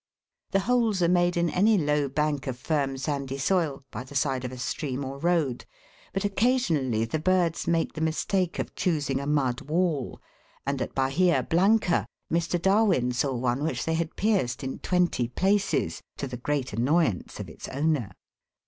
The holes are made in any low bank of firm sandy soil, by the side of a stream or road, but occasionally the birds make the mistake of choosing a mud wall, and at Bahia Blanca Mr. Darwin saw one which they had pierced in twenty places, to the great annoyance of its owner.